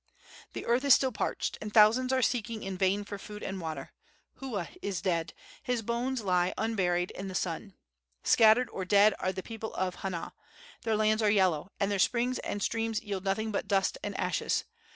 The earth is still parched, and thousands are seeking in vain for food and water. Hua is dead; his bones lie unburied in the sun. Scattered or dead are the people of Hana; their lands are yellow, and their springs and streams yield nothing but dust and ashes.